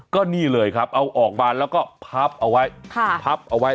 ก็นี่เลยครับเอาออกมาแล้วก็พับเอาไว้พับเอาไว้